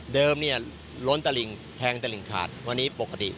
เดิมนี่ล้นตะลิงแทงตะลิงขาดวันนี้ปกติ